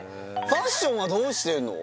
ファッションはどうしてるの？